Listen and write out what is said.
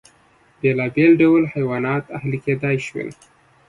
بېلابېل ډول حیوانات اهلي کېدای شول.